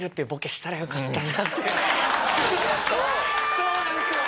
そうなんですよ。